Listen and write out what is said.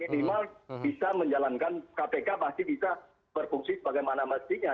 minimal bisa menjalankan kpk pasti bisa berfungsi sebagaimana mestinya